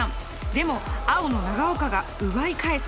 でも青の長岡が奪い返す。